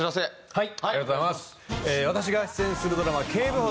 はい。